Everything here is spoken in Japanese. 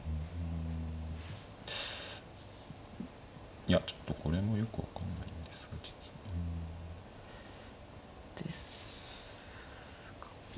いやちょっとこれもよく分かんないんですが実は。ですか。